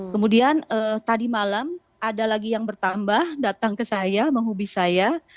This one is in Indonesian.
kemudian tadi malam ada lagi yang bertambah datang ke saya menghubi saya